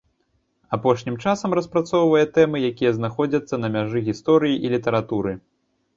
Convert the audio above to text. Апошнім часам распрацоўвае тэмы, якія знаходзяцца на мяжы гісторыі і літаратуры.